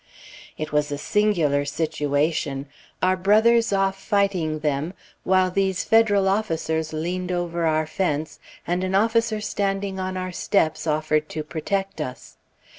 It was a singular situation: our brothers off fighting them, while these Federal officers leaned over our fence, and an officer standing on our steps offered to protect us.